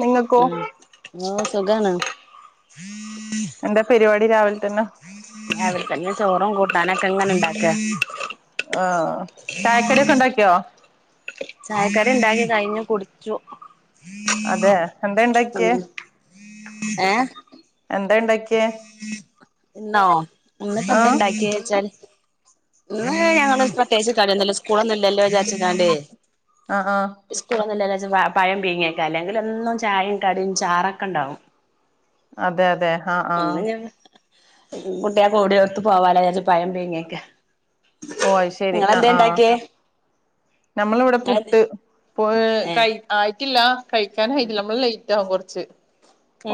നിങ്ങൾക്കോ ഉം ഓഹ് സുഖാണോ എന്താ പരിപാടി രാവിലെ തന്നെ രാവിലെ തന്നെ ചോറും കൂട്ടാനൊക്കെ ഇങ്ങനെ ഇണ്ടാക്ക ആഹ് ചായക്കടി ഒക്കെ ഉണ്ടാക്കിയോ ചായക്കടി ഉണ്ടാക്കി കഴിഞ്ഞു കുടിച്ചു അതെ എന്താ ഉണ്ടാക്കിയേ ഉം ഏഹ് എന്തേണ്ടാക്കിയേ ഇന്നോ ഇന്ന്പ്പം ആഹ് എന്തേണ്ടാക്കിയച്ചാല് ഇന്ന് ഞങ്ങള് പ്രത്യേകിച്ച് കടിന്നുല്ല സ്കൂളൊന്നും ഇല്ലല്ലോ വിചാരിച്ചിക്കാണ്ട് ആഹ് ആഹ് സ്കൂളൊന്നുല്ലചാര്ച്ച് പഴം പിഴ്ങ്ങിയേക്കെ അല്ലെങ്കിലെന്നും ചായയും കടിയും ചാറൊക്കെ ഉണ്ടാവും അതെ അതെ ആഹ് ഇന്ന് ആഹ് ഞാൻ കുട്ടിയൾക്ക് ഓടി ഓർത്ത് പോവാലോ വച്ച് പഴം പീങ്ങിക്ക ഓ അത് ശരി ആഹ് ആഹ് ഇങ്ങളെന്തേണ്ടാക്കിയെ നമ്മളിവിടെ പുട്ട് ഏ കയ് ആയിട്ടില്ല കഴിക്കാൻ ആയിട്ടില്ല നമ്മള് ലേ റ്റാവും കൊർച്ച്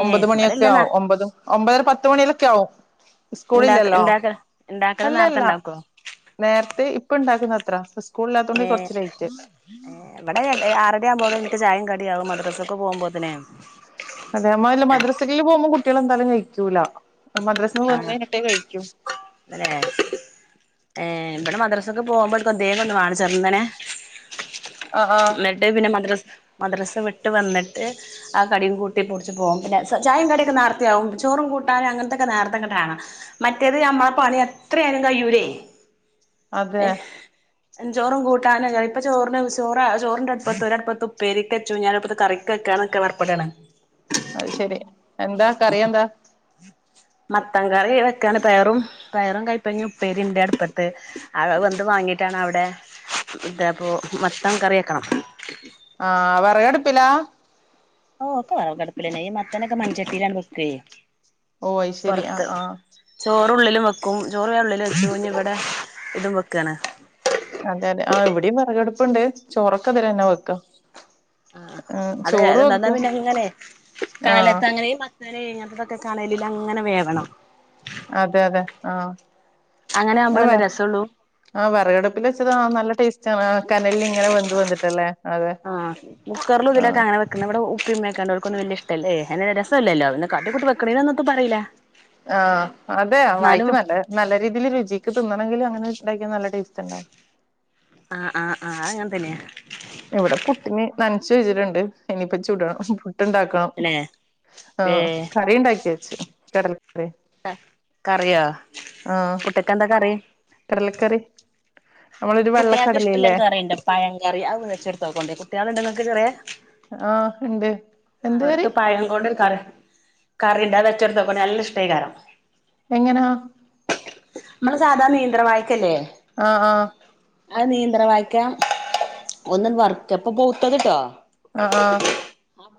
ഏ ഒമ്പത് ഇവിടെല്ല മണിയൊക്കെആവും ഒമ്പത് ഒമ്പതര പത്തുമണിയിലൊക്കെ ആവും ഇണ്ടാക്ക സ്കൂളില്ലല്ലോ ഇണ്ടാക്ക ഇണ്ടാക്കല് നേർത്തെ അല്ലല്ല ഇണ്ടാക്കോ നേര്ത്തെ ഇപ്പ ഇണ്ടാക്കുന്ന അത്ര സ്കൂളല്ലാത്തോണ്ട് കൊറച്ച് ലേറ്റ് ഏഹ് ഇവടെ ആറര ആവുമ്പോക് എനിക്ക് ചായയും കടിയാവും മദ്രസക്ക് പോകുമ്പോത്തനെ അതെ അമ്മ ഇല്ല മദ്രസൽ പോവുമ്പോ കുട്ടികള് എന്തായാലും കഴിക്കൂല മദ്രസ് വന്ന്ഴിഞ്ഞട്ടെ കഴിക്കു തന്നെ ഏ ഇബടെ മദ്രാസക്കെപോകുമ്പട്ക് എന്തേങ്ങൊന്ന് വാണം ചെറ്ന്നനെ ആഹ് ആഹ് ഇന്നട്ട് പിന്നെ മദ്രസ മദ്രസ വിട്ട് വന്നിട്ട് ആ കടിയും കൂട്ടി പൊടിച്ചു പോകും പിന്നെ ചായയും കടിയൊക്കെ നേർത്തെയാവും ചോറും കൂട്ടാനും അങ്ങനത്തൊക്കെ നേർത്തെങ്ങട്ടാണ് മറ്റേത് നമ്മളെ പണി എത്രയായ്ലും കയ്യൂലെ എ അതെ ചോറും കൂട്ടാനും ഇപ്പ ചോറിന് ചോറ് ചോറിന്റെട്പ്പത്ത് ഒരട്പ്പത്ത് ഉപ്പേരിക്കെച്ചു ഞാനട്പത്ത് കറിക്കക്കെനിക്ക പർപ്പെടാണ് അത് ശെരി മത്തൻ കറി വെക്കാണ് പയറും പയറും കയ്പങ്ങ ഉപ്പേരിണ്ട് അട്പ്പത്ത് അഹ് വെന്ത് വാങ്ങിട്ടാണ് അവിടെ ഇതാപ്പൊ മത്തൻ കറിയക്കണം ആഹ് വെറകടുപ്പിലാ ഓ ഒക്കെ വെറക്അട്പ്പിലന്നെ ഈ മത്തനൊക്കെ മൺച്ചട്ടിയിലാണ് വെക്കെ ഓ അത് ശരി ആഹ് പുറത്ത് ആഹ് ചോറ്ള്ളിലും വെക്കും ചോറ് ഞാ ഉള്ളിലുവെച്ചു ഇനി ഇവിടെ ഇതും വെക്കാണ് അതെ അതെ ആ ഇവിടെയും വിറകടുപ്പുണ്ട് ചോറക്കെ അതില്ന്നെ വെക്ക ആഹ് അതെ അത്ണ്ടാന്നാ പിന്നെ ഇങ്ങനെ ആഹ് കാലത്ത അങ്ങനെയും മ ത്തനെ അങ്ങൻത്തതൊക്കെ കണലിലങ്ങനെ വേവണം അതെ അതെ അങ്ങനെ ആ വേ ആവുമ്പളല്ലേ രസൊള്ളൂ ആ വിറകടുപ്പിൽ വെച്ചതാ നല്ല ടേസ്റ്റ് ആണ് കനലിൽ ഇങ്ങനെ വെന്ത് വന്നിട്ടുള്ളെ ആഹ് കുക്കർലും ഇതിലൊക്കെ അങ്ങനെ വെ ക്ക്‌ണ ഇവടെ ഉപ്പയും ഉമ്മയൊക്കെ ഉണ്ട് ഓൽകൊന്നും വല്യഇഷ്ടല്ല അത് രസുല്ലല്ലോ പിന്നെ കാട്ടി കൂട്ടി വെക്കണെനൊന്നത്തും പറീല ആഹ് അതെ വായിക്ക് നല്ല നല്ല രീതിയിൽ രുചിക്ക് തിന്നണങ്കില് അങ്ങനെണ്ടാക്കിയ നല്ല ടേസ്റ്റ്ണ്ടാവും ആഹ് ആഹ് ആഹ് അഹ് അങ്ങൻതന്നെയാ ഇവിടെ പുട്ടിനെ നനച്ചു വച്ചിട്ടുണ്ട് ഇനിപ്പ ചുടണം പുട്ട്ണ്ടാക്കണം അല്ലെ ആഹ് ഏഹ് കറിഴിണ്ടാക്കിവെച്ച് കടൽക്കറി കറിയോ ആഹ് പുട്ട്ക്കെന്താ കറി കടലക്കറി നമ്മളൊരു വെള്ളക്കടലല്ലേ പയങ്കറി അതൊന്ന് വെച്ച്ടുത്തോക്കണ്ടേ കുട്ട്യാള്ണ്ടോ ഇങ്ങക്ക് ചെറിയേ ആഹ് ഇണ്ട് അവർക്ക് പഴം കൊണ്ട് ഒരു കറി കറിണ്ടെ അഹ് വെച്ചൊടുത്തേക്കോണ്ടി നല്ല ഇഷ്ടയ്കാരം എങ്ങനാ മ്മള് സാധാ നീന്ത്രവായക്കല്ലേ ആഹ് ആഹ് ആ നീന്ത്രവായിക്കാ ഒന്നന് വർക്ക പ്പപൗത്തത്ട്ടോ ആഹ് ആഹ്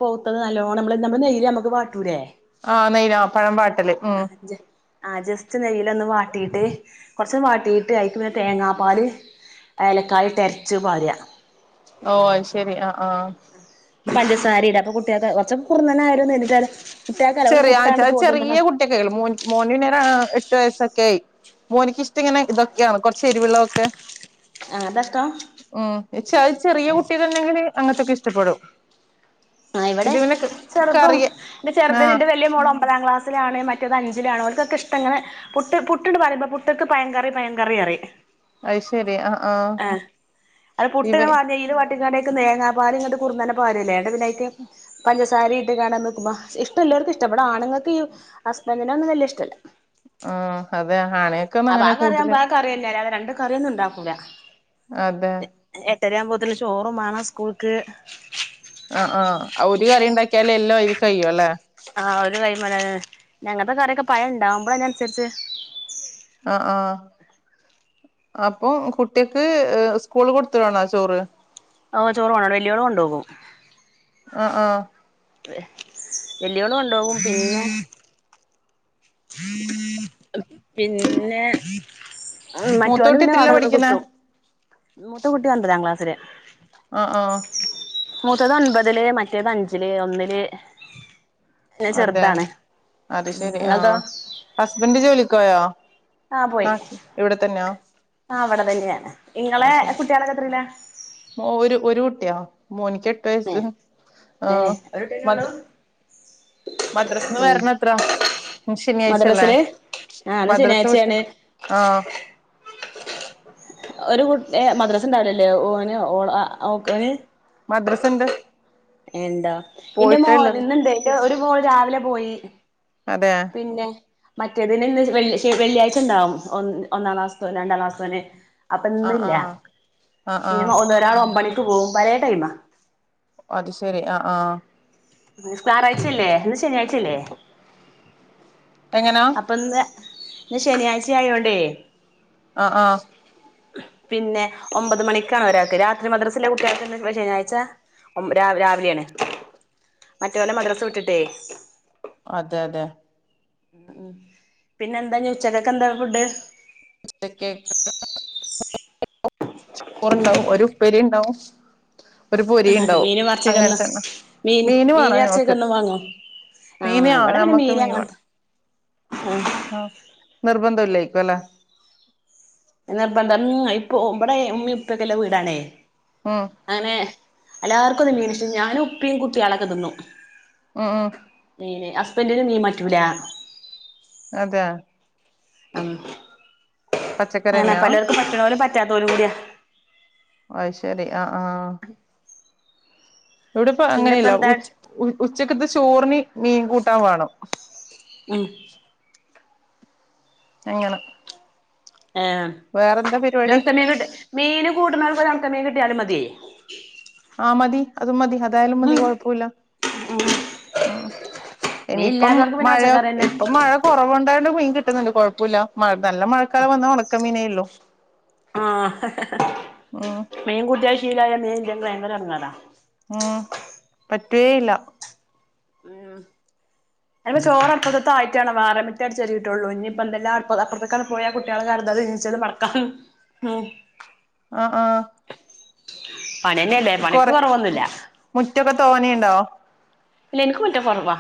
പൗത്തത് നല്ലോണമ്മള് നമ്മള് നെയ്യില് നമക്ക് വാട്ടൂലെ ആഹ് നെയ്യ്ല പഴംവാട്ടല് ഉം ആ ജസ്റ്റ് നെയ്യില് ഒന്ന് വാട്ടിട്ട് കൊറച്ച് വാട്ടിട്ട് അയിക്ക് പിന്നെ തേങ്ങാപ്പാല്. ഏലക്കായി ഇട്ട് അരിച്ച് പാര് ഓ അയ് ശരി ആഹ് ആഹ് പഞ്ചസാരയിട് അപ്പൊ കുട്ടികക്കെ കൊറച്ച കുറന്ന നെ ആയാലും നീണ്ട്ട്ട് ആയാലും. കുട്ടിയക്കല്ല ഓല് ചെറിയ പുട്ടാണ്ട് അത് ചെറിയ [unintelligible] മോന് എട്ടു വയസൊക്കെ ആയി മോനിക്കക്ക് ഇഷ്ടം ഇങ്ങെനെ ഇതൊക്കെയാണ് കൊറച്ച് എരിവ് ഉള്ള ഇതൊക്കെ. ആ അതാ ഇഷ്ടം മ് ഇച്ചഅയ് ചെറിയ കുട്ടി ങ്കിൽ അങ്ങത്തൊക്കെ ഇഷ്ടപ്പെടും ആ ഇവിടെ ഇത് പിന്നെ ചെറുതും കറിയ. എന്റെ ചെറ് ആഹ് തിന വലിയ മോള ഒമ്പതാം ക്ലസിലാണ് മറ്റത് അഞ്ചിലാണ് ഒൽക്കൊക്കെ ഇഷ്ടാ ഇങ്ങനെ. പുട്ട് പുട്ടിണ്ട് പറയുമമ്പോ പുട്ടക്ക് പയൻ കറി പയൻ കറി പറി അത് ശരി ആഹ് ആഹ് അ പുട്ട് ഇവ ഇങ്ങനെ നെയ്യില വാട്ടി തേങ്ങാ പാലങ്ങനെ കുറന്നനെ പാരെല്ലേ എന്നിട്ട് പിന്ന ഉം പഞ്ചസാരയിട്ട് കാണാൻ നിക്ക്പ ഇഷ്ടം എല്ലാവർക്ക ഇഷ്ടംവിട ആണുൾക്ക്ഈ അസ്ബൻഡനൊന്നും വല്യഇഷ്ടല്ല ആ അതെ ആണെ അപ്പൊ ആ കറിയാവുമ്പോ ആ കറിയന്നെ അല്ലാതെ രണ്ട് കറിയൊന്നും ഉണ്ടാക്കൂല. അതെ എട്ടര ആകു പോത്തിന് ചോറും മാണംസ്കൂൾക്ക് ആ ആഹ ഒരു കറി ഉണ്ടാക്കിയാല എല്ലാം അയ്ല് കഴിയും അല്ലെ? ആ ഒരുകറിമെലന്നെ അങ്ങനത്തെ കറിക്കെ പയം ഉണ്ടാവുമ്പോ അയ്നനുസരിച്ച്. ആ ആഹ്അപ്പം കുട്ട്യാക്ക് സ്കൂള് കൊടുത്തവിടണോ ചോറ്‌ ഓ ചോറ് വാണം വല്യഓള്‌ കൊണ്ടോകും. ആഹ് ആഹ് വല്യഓള് കൊണ്ടേകും പിന്നെ പിന്നെ മറ്റോന് മൂത്തോട്ടി പിന്നെ എത്രയിലാ അവടന്ന് പഠിക്കുന്നെ കിട്ടും മൂത്ത കുട്ടി ഒൻപതാം ക്ലാസില് ആഹ് ആഹ് മൂത്തത് ഒൻപതില് മറ്റേത് അഞ്ചില് ഒന്നില് പിന്നെ അതെ ചെറുതാണ് നിങ്ങളതോ? ഹസ്ബന്ഡ് ജോലിക്ക് പോയോ? ആഹ് പോയി ആ അവിടെ തന്നെ ആണ് ഇങ്ങളെ അത് ശരി കുട്ടികളക്കെ എത്രയിലാ ഒരു ഒരു കുട്ടിയാ മോനിക്ക് എട്ട് വയസ്സ് ആ ഏ ഒരു കുട്ടിയന്നെ മദ്റ ഉള്ളൂ മദ്രാസിന്ന് ഉം വരണത്ര ശനിയാഴ്ചല്ലേ മദ്രസില് ആ ഇന്ന് മദ്രാസ വിട്ട് ശനിയാഴ്ചയാണ് ആഹ് ഒരു കുട്ടി മദ്രസ ണ്ടാവില്ലല്ലേ ഓന് ഓളാ ഓന് മദ്രസണ്ട് ഏ ഇണ്ടേ ഇന്റെ പോയിട്ടേ മോ ഉള്ളത് ഇന്നുണ്ട് ഒരു മോൾ രാവിലെ പോയി അതെ പിന്നെ മറ്റേതിന് വെള്ളിയാഴ്ച ഉണ്ടാവും ഒ ഒന്നാം ക്ലാസത്തോ രണ്ടാം ക്ലാസത്തോന് അപ്പൊ ആഹ് ഇന്നല്ല ആഹ് ആഹ് ആഹ് ഇന്ന ഒരാൾ ഒബണിക്ക് പോകും പലേ ടൈം അത് ശരി ആ ആഹ് ഞയാറാഴ്ച്ചല്ലേ ഇന്ന് ശനിയാഴ്ചല്ലേ എങ്ങനാ അപ്പന്ന് ഇന്ന് ശനിയാഴ്ച ആയോണ്ടേ ആഹ് ആഹ് പിന്നെ ഒമ്പത് മണിക്കാണ് ഒരാൾക്ക് രാത്രി മദ്രസിലെ കുട്ടിയാൾക്ക് ശനിയാഴ്ച ഒം രാവിലെയ ആണ് മറ്റൊലെ മദ്രാസ് വിട്ടിട്ടേ അതെ, അതെ. ഉം പിന്നെ എന്താഞ് ഉച്ചക്കൊക്കെന്താ ഫുഡ്? ചോറുണ്ടാവും ഒരുപ്പെരിണ്ടാവും. മീന് മറച്ചൊക്കെ എന്നാ തന്നെ മീന്, മീന് വേണം എറച്ചൊക്കെ ഞമ്മക്ക് ഒന്നും വാങ്ങോ? മീന് ആഹ് ഇവ്ടെ പിന്നെ ഞമ്മക്ക് മീന് മീൻ അങ്ങനത്തെ വേണം ആ ആഹ് നിർബന്ധം ഇല്ലെയിക്കുവല്ലെ. നിർബന്ധം ഇപ്പൊ ഇവിടെ ഉമ്മേം ഇപ്പൊക്കെല്ല വീടാണേ. ഉം. അങ്ങനെ എല്ലാർക്കുന്നും മീനിഷ് [unintelligible] ഞാനും ഉപ്പിയും കുത്തിഅളൊക്കെ തിന്നു. ആഹ്, ആഹ് മീന് ഹസ്ബന്റിന് മീം മറ്റൂല. അതെ. ആഹ്. അങ്ങന പച്ചക്കറിന്നെയാ പലർക്കും പറ്റണോലും പറ്റാത്തോലും കൂടിയാ. ഒ അയ്‌ശേരി ആഹ്, ആഹ്. ഇവിടെപ്പ പിന്നെപ്പ അങ്ങനെയല്ല എന്താ ഉ, ഉ ഉച്ചക്കത്ത് ചോറിന് മീൻ കൂട്ടാൻ വേണം. ഉം. എങ്ങന. ഏ രം പരിപാടി തമീൻ കിട്ട മീന് കൂട്ടുന്നവർക്ക് ഓരൊണക്ക മീൻ കിട്ടിയാലും മതിയെ. ആഹ് മതി, അതും മതി, അതായാലും മതി, ഉം കൊഴപ്പോല്ല. ഉം. മീൻ ഇനീപ്പം ഇല്ലാതോർക്ക് പിന്നെ മഴയ പച്ചക്കറിന്നെ ഇപ്പം മഴ കൊറവൊണ്ടായൊണ്ട് മീൻ കിട്ടുന്നുണ്ട് കുഴപ്പോല്ല. മഴ നല്ല മഴക്കാലം വന്ന ഒണക്ക മീനേള്ളു. ആ മീൻകുട്ടിയായ ശീലായ മീൻല്ലെങ്കി ഭയങ്കര എടങ്ങേറ. ഉം. പറ്റുവേയില്ല. അ ചോറ് അപ്പുത്ത ആയിട്ടാണ് വേറെ മിറ്റടിച്ചൊരീട്ടുള്ളൂ ഇനി ഇപ്പോ എന്ധെല്ലാം അ അപ്പുറത്തക്കങ് പോയ കുട്ട്യാള് കെടന്നത് നീച്ചത് മട ക്കാം ഉം. ആ, ആഹ്. പണന്നെയല്ലേ പണിക്ക് കൊറെ കൊറവൊന്നുല്ല. മുറ്റൊക്കെ തോനെണ്ടോ? ഇല്ല എനക്ക് മുറ്റം കൊറവാ.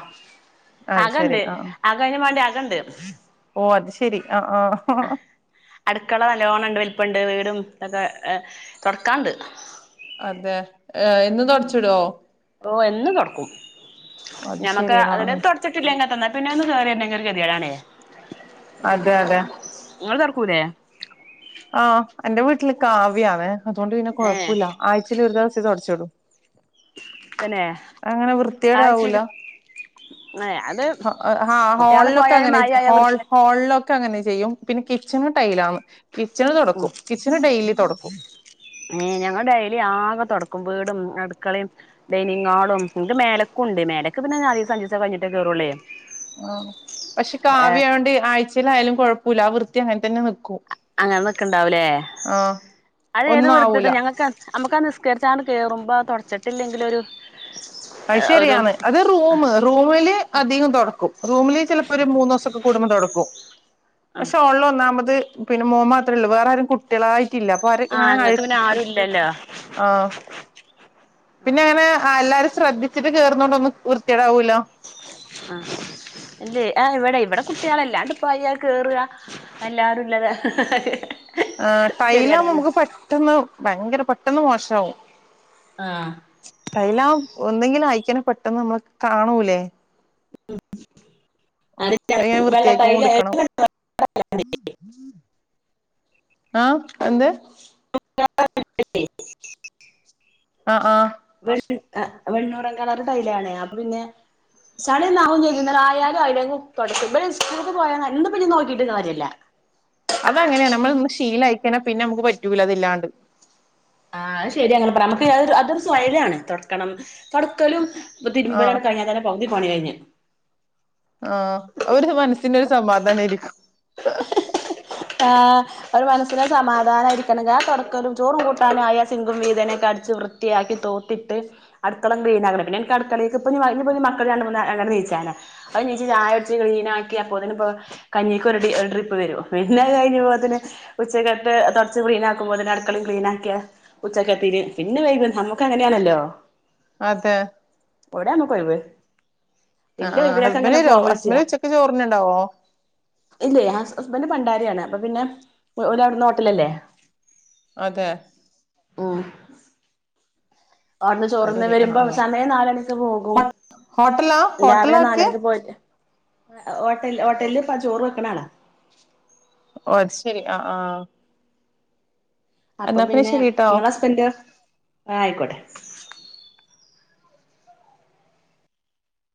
അത് ശരി അകണ്ട്. ആ അക അയിന് വേണ്ടി അകണ്ട്. ഓ അത് ശെരി. ആ, ആ. അടുക്കള നല്ലോണംണ്ട്. വലിപണ്ട്. വീടും ഇതൊക്കെ തൊടക്കാണ്ട്. അതെ. എന്നും തൊടച്ചിടൊ? ഓ എന്നും തൊടക്കും. അത് ഞമ്മക്ക് ശരി ആ അതില തൊ ടച്ചിട്ടില്ലെങ്കി എതന്നാ പിന്നെ ഒന്ന് കേയറിണ്ടെങ്കി ഒരു ഗതിയാടാണേ. അതെ, അതെ. ഇങ്ങള് തൊടക്കൂലേ? ആഹ് എന്റെ വീട്ടില് കാവിആണ്. അതോണ്ട് പിന്നെ ഏഹ് കൊഴപ്പുല്ല ആഴ്ചേൽ ഒരു ദെവസേ തൊടച്ചിടൂ. തന്നെ അങ്ങനെ വൃത്തികേട് ആവൂല. ങയ് അത് ഹൊ എ ആഹ് കുട്ട്യാള് ഹോളിലൊക്കെ പോയാലും അങ്ങനെ ചീയാ മഴയായ ഹോൾ. വൃത്തി ഹോളിലൊക്കെ അങ്ങനെ ചെയ്യും. പിന്നെ കിച്ചണ് ടൈലാന്ന്. കിച്ചണ് തൊടക്കും, കിച്ചണ് ഡെയ്ലി തൊടക്കും. ഏഹ് ഞങ്ങൾ ഡെയ്ലി ആകെ തൊടക്കും. വീടും അടുക്കളേം. ഡൈനിംങ്ങാളും ങ്ങക്ക് മേലക്കുണ്ടേ. മേലക്ക് പിന്നെ ഞാലുസേ, അഞ്ചുസ കഴിഞ്ഞിട്ടേ കേറൂളേ. ആഹ് പക്ഷെ കാവി ആയോണ്ട് ആഴ്‌ചേലായാലും കൊഴപ്പുല്ല. ആ വൃത്തി അങ്ങനെ തന്നെ നിക്കും. അങ്ങനെ നിക്കുണ്ടാവുലേ ആ അത് ഏത് ഒന്നും വൃത്തിത്ത ആവൂല ഞങ്ങക്ക് അ നമുക്ക് ആ നിസ്കരിച്ചാണ്ട് കേറുമ്പോ തൊടച്ചിട്ടില്ലെങ്കിലൊരു അയ് ഒരു ശരിയാന്ന്. അത് റൂമ് റൂമില് അധികും തൊടക്കും. റൂമില് ചിലപ്പോ ഒരു മൂന്നൂസക്കെ കൂടുമ്പോ തൊടക്കും. ആ പക്ഷെ ഹോളിള് ഒന്നാമത് പിന്നെ മോൻ മാത്രേ ഉള്ളൂ വേറെ ആരും കുട്ടിളായിട്ടില്ല പ്പാര് ആ ഇങ്ങനെ ഇങ്ങക്ക് അഴ്ക്ക് പിന്നെ പി ആരും ഇല്ലല്ലോ ആഹ് ആ പിന്നെ അങ്ങനെ അ എല്ലാരും ശ്രദ്ധിച്ചിട്ട് കേറുന്നോണ്ടൊന്നും വൃത്തി ഏടാവൂല്ല ആഹ് ഇല്ലേ ആഹ് ഇവടെ ഇവടെ കുട്ടികളെല്ലാണ്ട് പ്പോ ആരാ കേറ എല്ലാരുല്ലതേ ഏഹ് ടൈലാവുമ്പ നമുക്ക് പെട്ടെന്ന് ഭയങ്കര പെട്ടെന്ന് മോശാവും ആഹ് ച് ടൈലാം ഒന്നെങ്കിലും ആയിക്കനെ പെട്ടെന്ന് മ്മള് കാണൂലേ അതിങ്ങനെ [unintelligible] വെള്ള ടൈല വൃത്തിയായിക്കോണ്ട്ക്കണം [inaudible] ആഹ് എന്ത് [unintelligible] ആഹ് ആഹ് വെണ് എ് വെണ്ണുറം കളറ് ടൈലാണേ അപ്പൊ പിന്നെ ചളി ഒന്നും ആവുന്നില്ല ന്നാലും ആയാലും ആയില്ലേങ്കും തൊടക്കും ഇബര് സ്കൂളിക്ക് പോയ ന ഇന്ന് ഇനി നോക്കിട്ട് കാര്യല്ല അതങ്ങന നമ്മളൊന്ന് ശീലായി കഴിഞ്ഞ പിന്നെ നമുക്ക് പറ്റൂല അതില്ലാണ്ട് ആഹ് അത് ശരി ഇങ്ങള് പറ മ്മക്ക് അത് അതൊരു സ്വയ്ലി ആണ് തൊടക്കണം തൊടക്കലും പ്പ ആഹ് തിരുമ്പലങ്ങട് കഴിഞ്ഞാൽ തന്നെ പകുതി പണികഴിഞ്ഞു ആഹ് അവൊരു മനസ്സിനൊരു സമാധാനായിരിക്കും ആഹ് ഒരു മനസ്സിന് സമാധാനായിരിക്കണം ഞാൻ തൊടക്കലും ചോറും കൂട്ടാനും ആയ സിംഗും വീതനെക്കെ അടിച്ചു വൃ ത്ത്യാക്കി തൂത്തിട്ട് അടുക്കള ക്ലീനാക്കണം പിന്നെ എനിക്ക് അടുക്കളേക്ക് ഇപ്പ ഇഞ്ഞി വാ ഞാപ്പഞ്ഞി മക്കള് രണ്ടു മൂന്ന് ആ ഏതാണ്ട് നീച്ചേനെ അത് നീച്ച് ചായുടിച്ച് ക്ലീനാക്കി അപ്പോത്തിന് പ്പോ കഞ്ഞിക്കൊരു ണ്ടി ഒര് ട്രിപ്പ് വരും പിന്നെ അത് കഴിഞ്ഞ്മ്പോത്തിന് ഉച്ചക്കത്തെ തൊടച്ച് ക്ലീൻ ആക്കുമ്പോ തന്നെ അടുക്കളിം ക്ലീൻ ആക്ക്യാ ഉച്ചക്കത്തിന് പിന്നെ വൈകു നമുക്ക് അങ്ങനെ ആണല്ലോ അതെ എവടാമ്കൊഴിവ് ആഹ് ആഹ് ഹസ്ബൻ്റെരോ വിളിച്ചാ ഹസ്ബൻ്റ് ഉച്ചക്ക് ചോറിനുണ്ടാവോ ഇല്ലേ ഹസ് ഹസ്ബൻഡ് പണ്ടാരിയാണ് അപ്പൊ പിന്നെ ഓലവിടുന്ന് ഹോട്ടലല്ലേ അതെ ഉം അവിടുന്ന് അത് ചോറുന്ന് ശരി ആഹ് വരുമ്പോ ആഹ് സമയം നാലാണ് പോകും ഹോട്ടലാ രാവിലെ ഹോട്ടലാ ആക്കിയെ നാലരക്ക് പോയിട്ട് എ് എ് ഓട്ട ഓട്ടലില് ഇപ്പ ചോറ് വെക്കണാളാ ഓഹ് അത് ശരി ആഹ് ആഹ് അപ്പൊ എന്നാ പിന്നെ ശരിട്ടോ ങ്ങള ഹസ്ബൻ്റോ ആഹ് ആയിക്കോട്ടെ